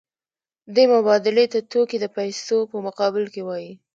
دې مبادلې ته توکي د پیسو په مقابل کې وايي